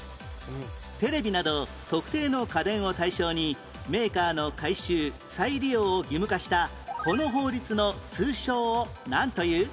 テレビなど特定の家電を対象にメーカーの回収・再利用を義務化したこの法律の通称をなんという？